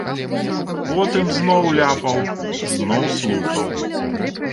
Потым зноў ляпаў, зноў слухаў.